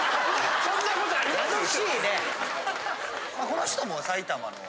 この人も埼玉の。